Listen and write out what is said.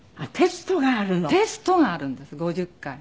テストがあるんです５０回。